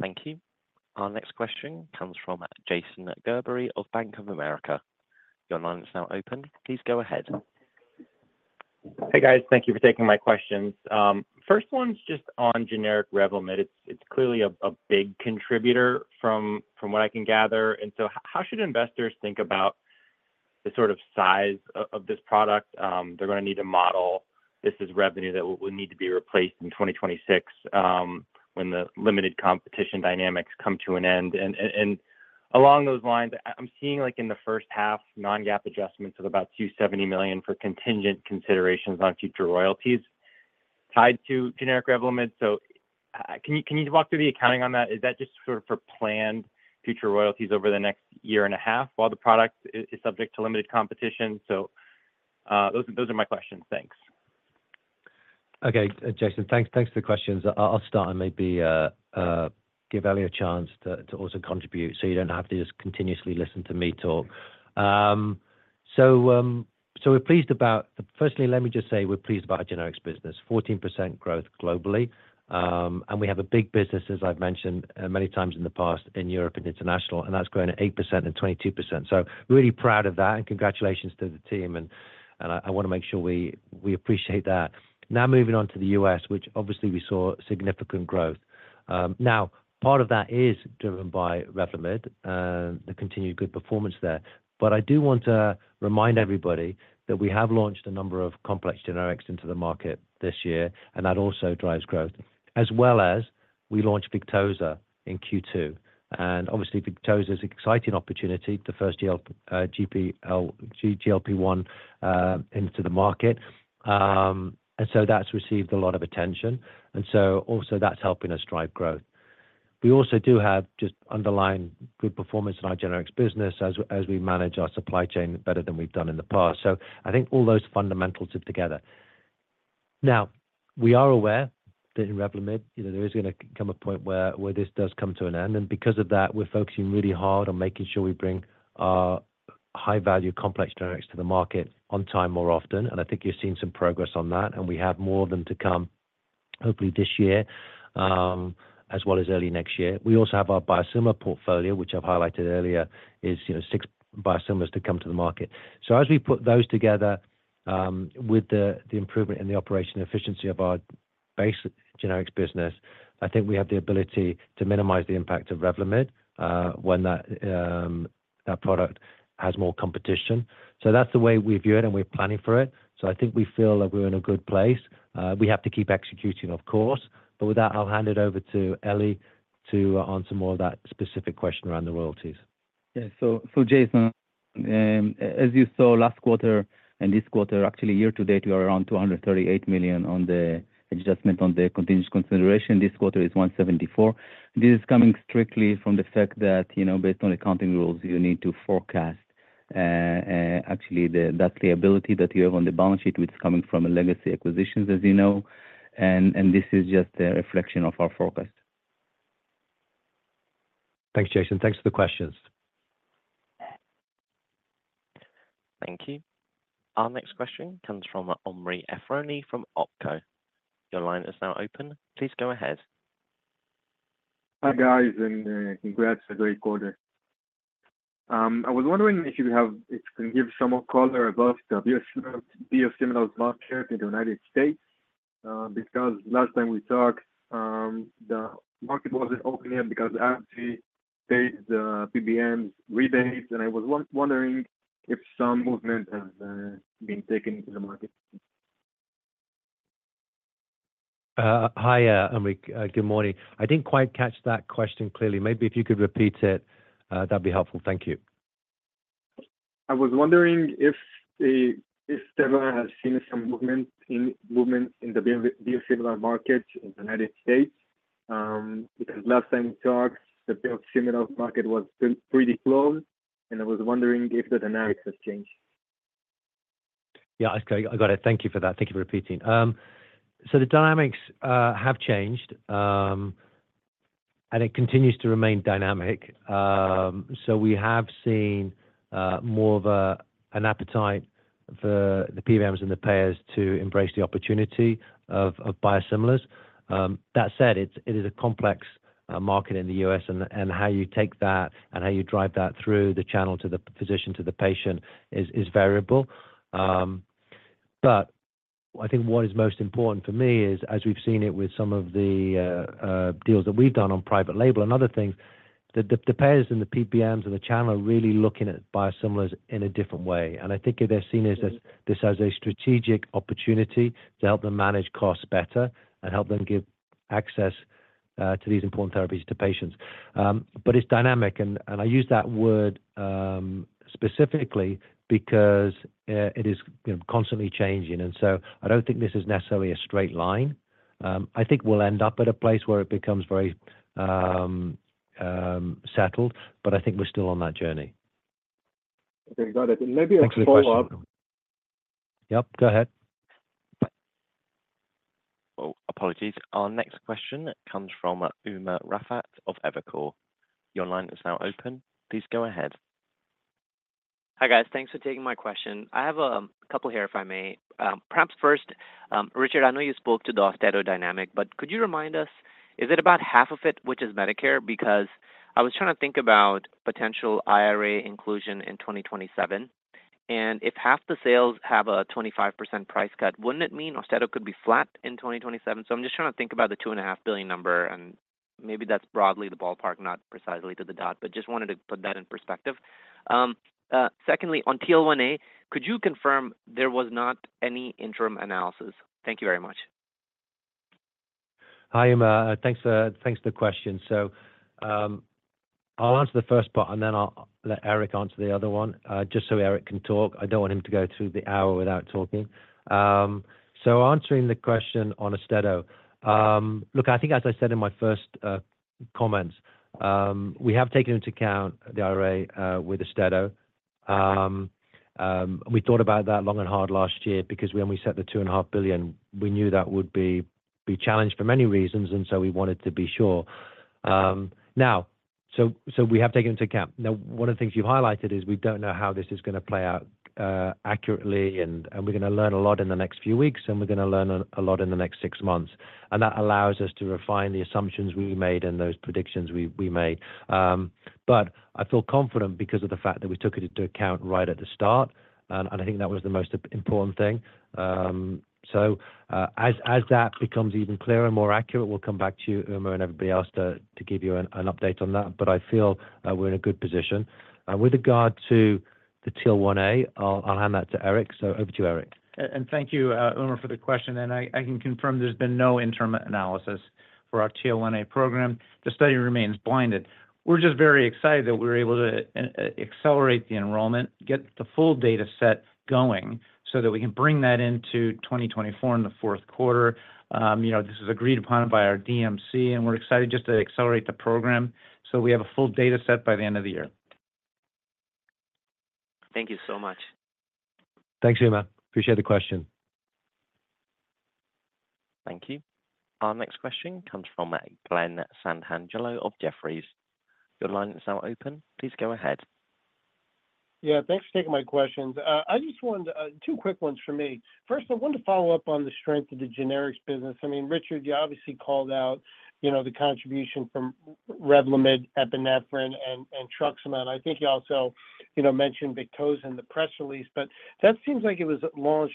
Thank you. Our next question comes from Jason Gerberry of Bank of America. Your line is now open. Please go ahead. Hey, guys. Thank you for taking my questions. First one's just on generic Revlimid. It's clearly a big contributor from what I can gather. And so how should investors think about the sort of size of this product? They're going to need a model. This is revenue that will need to be replaced in 2026 when the limited competition dynamics come to an end. And along those lines, I'm seeing in the first half, Non-GAAP adjustments of about $270 million for contingent considerations on future royalties tied to generic Revlimid. So can you walk through the accounting on that? Is that just sort of for planned future royalties over the next year and a half while the product is subject to limited competition? So those are my questions. Thanks. Okay, Jason, thanks for the questions. I'll start and maybe give Eli a chance to also contribute so you don't have to just continuously listen to me talk. So we're pleased about, firstly, let me just say we're pleased about our generics business, 14% growth globally. And we have a big business, as I've mentioned many times in the past, in Europe and international, and that's grown at 8% and 22%. So really proud of that, and congratulations to the team, and I want to make sure we appreciate that. Now, moving on to the U.S., which obviously we saw significant growth. Now, part of that is driven by Revlimid and the continued good performance there. But I do want to remind everybody that we have launched a number of complex generics into the market this year, and that also drives growth, as well as we launched Victoza in Q2. And obviously, Victoza is an exciting opportunity, the first GLP-1 into the market. And so that's received a lot of attention, and so also that's helping us drive growth. We also do have just underlying good performance in our generics business as we manage our supply chain better than we've done in the past. So I think all those fundamentals are together. Now, we are aware that in Revlimid, there is going to come a point where this does come to an end, and because of that, we're focusing really hard on making sure we bring our high-value complex generics to the market on time more often. I think you're seeing some progress on that, and we have more of them to come, hopefully this year as well as early next year. We also have our biosimilar portfolio, which I've highlighted earlier, is six biosimilars to come to the market. As we put those together with the improvement in the operational efficiency of our base generics business, I think we have the ability to minimize the impact of Revlimid when that product has more competition. That's the way we view it, and we're planning for it. I think we feel like we're in a good place. We have to keep executing, of course, but with that, I'll hand it over to Eli to answer more of that specific question around the royalties. Yeah. So Jason, as you saw last quarter and this quarter, actually year to date, we are around $238 million on the adjustment on the contingent consideration. This quarter is $174 million. This is coming strictly from the fact that, based on accounting rules, you need to forecast actually that liability that you have on the balance sheet, which is coming from legacy acquisitions, as you know, and this is just a reflection of our forecast. Thanks, Jason. Thanks for the questions. Thank you. Our next question comes from Omri Efroni from Opco. Your line is now open. Please go ahead. Hi, guys, and congrats for the great quarter. I was wondering if you can give some more color about the biosimilars market in the United States because last time we talked, the market wasn't open yet because the AbbVie paid the PBMs rebates, and I was wondering if some movement has been taken into the market. Hi, Omri. Good morning. I didn't quite catch that question clearly. Maybe if you could repeat it, that'd be helpful. Thank you. I was wondering if Teva has seen some movement in the biosimilar market in the United States because last time we talked, the biosimilars market was pretty close, and I was wondering if the dynamics have changed. Yeah, I got it. Thank you for that. Thank you for repeating. So the dynamics have changed, and it continues to remain dynamic. So we have seen more of an appetite for the PBMs and the payers to embrace the opportunity of biosimilars. That said, it is a complex market in the U.S., and how you take that and how you drive that through the channel to the physician, to the patient is variable. But I think what is most important for me is, as we've seen it with some of the deals that we've done on private label and other things, the payers and the PBMs and the channel are really looking at biosimilars in a different way. And I think they're seen as this as a strategic opportunity to help them manage costs better and help them give access to these important therapies to patients. But it's dynamic, and I use that word specifically because it is constantly changing. And so I don't think this is necessarily a straight line. I think we'll end up at a place where it becomes very settled, but I think we're still on that journey. Okay, got it. And maybe a follow-up. Thanks for the question. Yep, go ahead. Oh, apologies. Our next question comes from Umer Raffat of Evercore. Your line is now open. Please go ahead. Hi, guys. Thanks for taking my question. I have a couple here, if I may. Perhaps first, Richard, I know you spoke to the AUSTEDO dynamic, but could you remind us, is it about half of it which is Medicare? Because I was trying to think about potential IRA inclusion in 2027. And if half the sales have a 25% price cut, wouldn't it mean AUSTEDO could be flat in 2027? So I'm just trying to think about the $2.5 billion number, and maybe that's broadly the ballpark, not precisely to the dot, but just wanted to put that in perspective. Secondly, on TL1A, could you confirm there was not any interim analysis? Thank you very much. Hi, Umer. Thanks for the question. So I'll answer the first part, and then I'll let Eric answer the other one just so Eric can talk. I don't want him to go through the hour without talking. So answering the question on AUSTEDO, look, I think, as I said in my first comments, we have taken into account the IRA with AUSTEDO. We thought about that long and hard last year because when we set the $2.5 billion, we knew that would be challenged for many reasons, and so we wanted to be sure. Now, so we have taken into account. Now, one of the things you've highlighted is we don't know how this is going to play out accurately, and we're going to learn a lot in the next few weeks, and we're going to learn a lot in the next six months. That allows us to refine the assumptions we made and those predictions we made. But I feel confident because of the fact that we took it into account right at the start, and I think that was the most important thing. So as that becomes even clearer and more accurate, we'll come back to you, Umer, and everybody else to give you an update on that. But I feel we're in a good position. With regard to the TL1A, I'll hand that to Eric. So over to you, Eric. And thank you, Umer, for the question. And I can confirm there's been no interim analysis for our TL1A program. The study remains blinded. We're just very excited that we were able to accelerate the enrollment, get the full data set going so that we can bring that into 2024 in the fourth quarter. This was agreed upon by our DMC, and we're excited just to accelerate the program so we have a full data set by the end of the year. Thank you so much. Thanks, Umer. Appreciate the question. Thank you. Our next question comes from Glenn Santangelo of Jefferies. Your line is now open. Please go ahead. Yeah, thanks for taking my questions. I just wanted two quick ones from me. First, I want to follow up on the strength of the generics business. I mean, Richard, you obviously called out the contribution from Revlimid, Epinephrine, and TRUXIMA. I think you also mentioned Victoza in the press release, but that seems like it was launched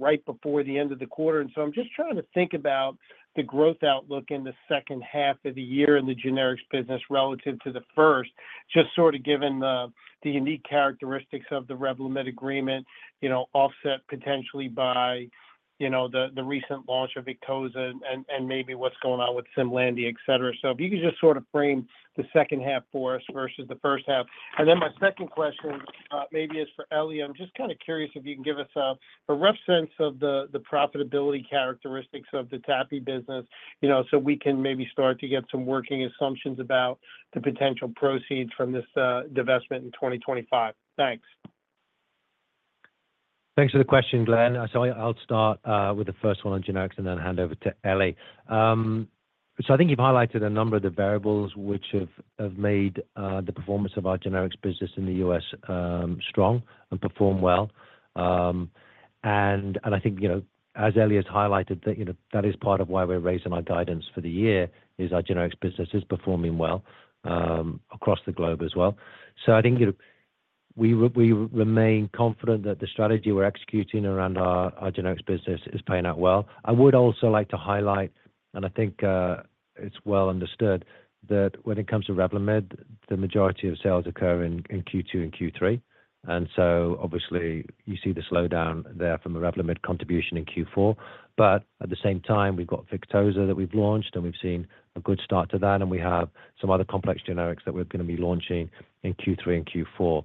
right before the end of the quarter. So I'm just trying to think about the growth outlook in the second half of the year in the generics business relative to the first, just sort of given the unique characteristics of the Revlimid agreement, offset potentially by the recent launch of Victoza and maybe what's going on with SIMLANDI, etc. So if you could just sort of frame the second half for us versus the first half. And then my second question maybe is for Eli. I'm just kind of curious if you can give us a rough sense of the profitability characteristics of the TAPI business so we can maybe start to get some working assumptions about the potential proceeds from this divestment in 2025. Thanks. Thanks for the question, Glenn. So I'll start with the first one on generics and then hand over to Eli. So I think you've highlighted a number of the variables which have made the performance of our generics business in the U.S. strong and perform well. And I think, as Eli has highlighted, that is part of why we're raising our guidance for the year is our generics business is performing well across the globe as well. So I think we remain confident that the strategy we're executing around our generics business is paying out well. I would also like to highlight, and I think it's well understood that when it comes to Revlimid, the majority of sales occur in Q2 and Q3. And so obviously, you see the slowdown there from the Revlimid contribution in Q4. But at the same time, we've got Victoza that we've launched, and we've seen a good start to that, and we have some other complex generics that we're going to be launching in Q3 and Q4.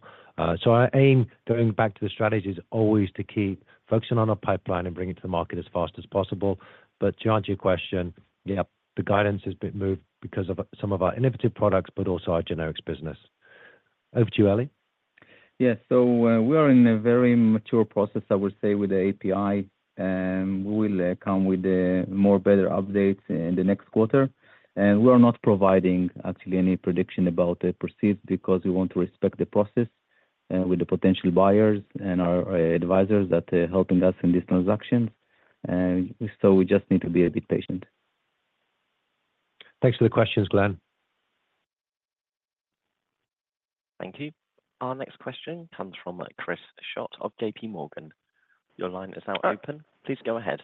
So our aim, going back to the strategy, is always to keep focusing on our pipeline and bringing it to the market as fast as possible. But to answer your question, yeah, the guidance has been moved because of some of our innovative products, but also our generics business. Over to you, Eli. Yeah. So we are in a very mature process, I would say, with the API. We will come with more better updates in the next quarter. And we are not providing actually any prediction about the proceeds because we want to respect the process with the potential buyers and our advisors that are helping us in these transactions. So we just need to be a bit patient. Thanks for the questions, Glenn. Thank you. Our next question comes from Chris Schott of JPMorgan. Your line is now open. Please go ahead.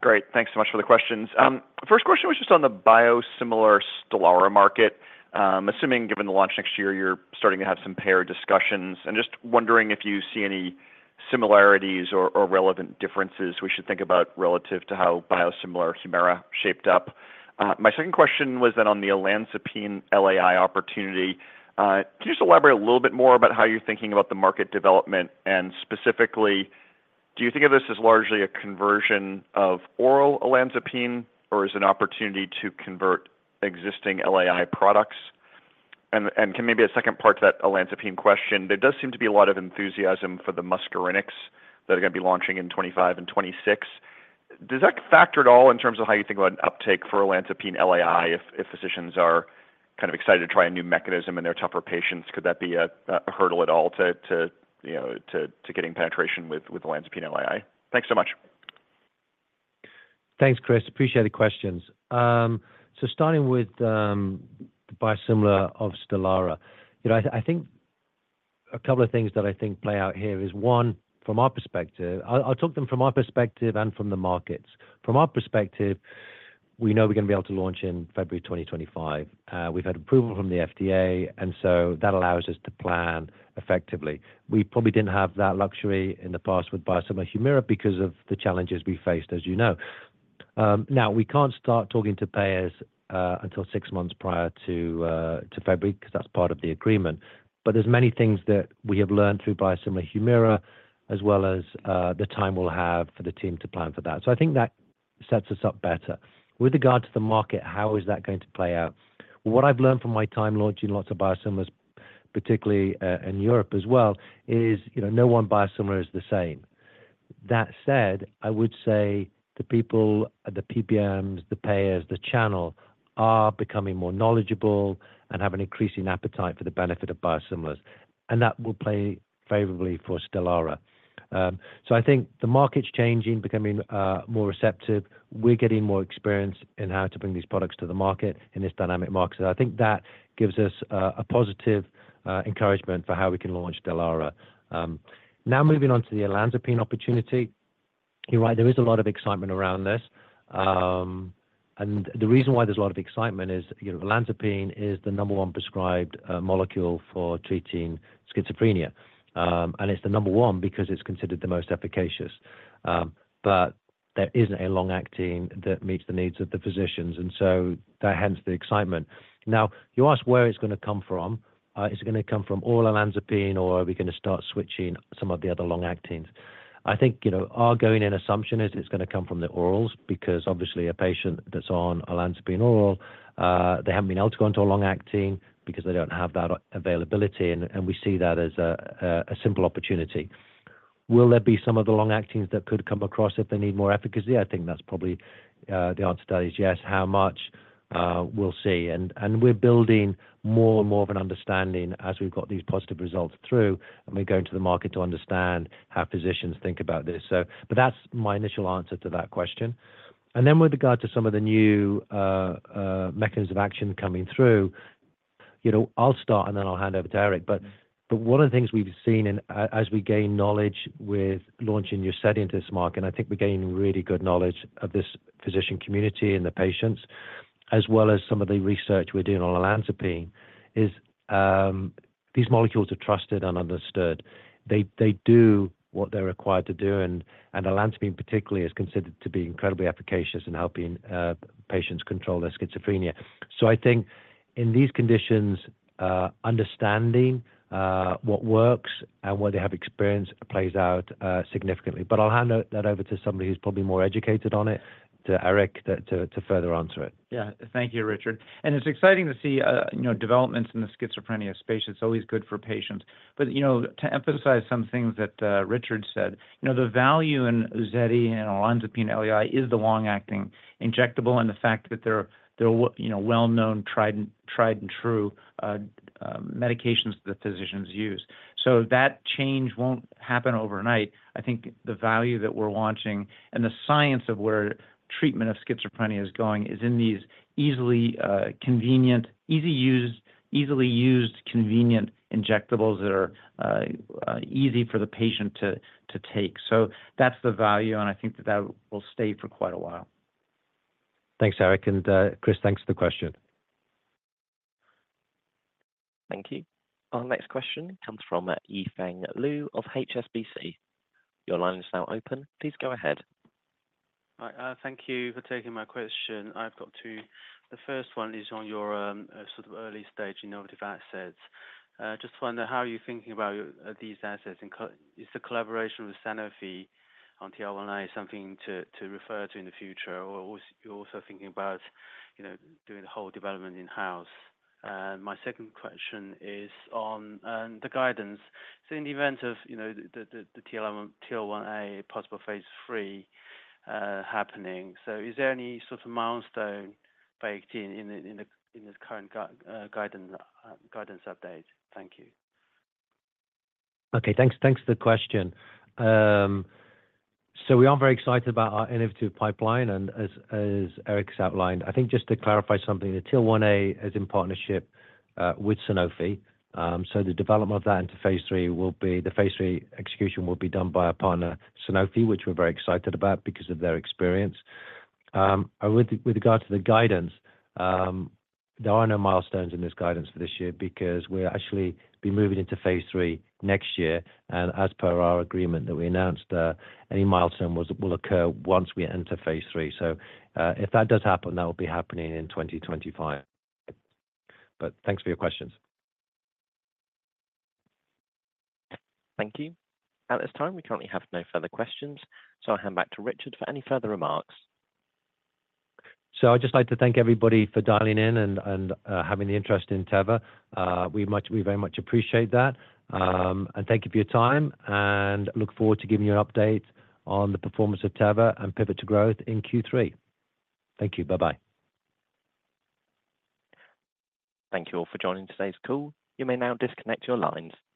Great. Thanks so much for the questions. First question was just on the biosimilar Stelara market. Assuming, given the launch next year, you're starting to have some payer discussions, and just wondering if you see any similarities or relevant differences we should think about relative to how biosimilar Humira shaped up. My second question was then on the olanzapine LAI opportunity. Can you just elaborate a little bit more about how you're thinking about the market development? And specifically, do you think of this as largely a conversion of oral olanzapine, or is it an opportunity to convert existing LAI products? And maybe a second part to that olanzapine question, there does seem to be a lot of enthusiasm for the muscarinics that are going to be launching in 2025 and 2026. Does that factor at all in terms of how you think about an uptake for olanzapine LAI if physicians are kind of excited to try a new mechanism and they're tougher patients? Could that be a hurdle at all to getting penetration with olanzapine LAI? Thanks so much. Thanks, Chris. Appreciate the questions. So starting with the biosimilar of Stelara, I think a couple of things that I think play out here is, one, from our perspective, I'll talk them from our perspective and from the markets. From our perspective, we know we're going to be able to launch in February 2025. We've had approval from the FDA, and so that allows us to plan effectively. We probably didn't have that luxury in the past with biosimilar Humira because of the challenges we faced, as you know. Now, we can't start talking to payers until six months prior to February because that's part of the agreement. But there's many things that we have learned through biosimilar Humira as well as the time we'll have for the team to plan for that. So I think that sets us up better. With regard to the market, how is that going to play out? What I've learned from my time launching lots of biosimilars, particularly in Europe as well, is no one biosimilar is the same. That said, I would say the people, the PBMs, the payers, the channel are becoming more knowledgeable and have an increasing appetite for the benefit of biosimilars. And that will play favorably for Stelara. So I think the market's changing, becoming more receptive. We're getting more experience in how to bring these products to the market in this dynamic market. So I think that gives us a positive encouragement for how we can launch Stelara. Now, moving on to the olanzapine opportunity, you're right, there is a lot of excitement around this. And the reason why there's a lot of excitement is olanzapine is the number one prescribed molecule for treating schizophrenia. And it's the number one because it's considered the most efficacious. But there isn't a long-acting that meets the needs of the physicians, and so that hence the excitement. Now, you ask where it's going to come from. Is it going to come from oral olanzapine, or are we going to start switching some of the other long-actings? I think our going-in assumption is it's going to come from the orals because, obviously, a patient that's on olanzapine oral, they haven't been able to go into a long-acting because they don't have that availability, and we see that as a simple opportunity. Will there be some of the long-actings that could come across if they need more efficacy? I think that's probably the answer to that is yes. How much? We'll see. And we're building more and more of an understanding as we've got these positive results through, and we're going to the market to understand how physicians think about this. But that's my initial answer to that question. And then with regard to some of the new mechanisms of action coming through, I'll start, and then I'll hand over to Eric. But one of the things we've seen as we gain knowledge with launching UZEDY into this market, and I think we're gaining really good knowledge of this physician community and the patients, as well as some of the research we're doing on olanzapine, is these molecules are trusted and understood. They do what they're required to do, and olanzapine particularly is considered to be incredibly efficacious in helping patients control their schizophrenia. So I think in these conditions, understanding what works and what they have experienced plays out significantly. But I'll hand that over to somebody who's probably more educated on it, to Eric, to further answer it. Yeah. Thank you, Richard. And it's exciting to see developments in the schizophrenia space. It's always good for patients. But to emphasize some things that Richard said, the value in UZEDY and olanzapine LAI is the long-acting injectable and the fact that they're well-known, tried-and-true medications that the physicians use. So that change won't happen overnight. I think the value that we're launching and the science of where treatment of schizophrenia is going is in these easily convenient, easy-used, convenient injectables that are easy for the patient to take. So that's the value, and I think that that will stay for quite a while. Thanks, Eric. And Chris, thanks for the question. Thank you. Our next question comes from Yifeng Liu of HSBC. Your line is now open. Please go ahead. Thank you for taking my question. I've got two. The first one is on your sort of early-stage innovative assets. Just to find out, how are you thinking about these assets? Is the collaboration with Sanofi on TL1A something to refer to in the future, or are you also thinking about doing the whole development in-house? My second question is on the guidance. So in the event of the TL1A possible phase III happening, so is there any sort of milestone baked in this current guidance update? Thank you. Okay. Thanks for the question. So we are very excited about our innovative pipeline, and as Eric's outlined, I think just to clarify something, the TL1A is in partnership with Sanofi. So the development of that into phase III will be the phase III execution will be done by our partner, Sanofi, which we're very excited about because of their experience. With regard to the guidance, there are no milestones in this guidance for this year because we'll actually be moving into phase III next year. As per our agreement that we announced, any milestone will occur once we enter phase III. So if that does happen, that will be happening in 2025. But thanks for your questions. Thank you. At this time, we currently have no further questions. So I'll hand back to Richard for any further remarks. So I'd just like to thank everybody for dialing in and having the interest in Teva. We very much appreciate that. And thank you for your time, and look forward to giving you an update on the performance of Teva and Pivot to Growth in Q3. Thank you. Bye-bye. Thank you all for joining today's call. You may now disconnect your lines.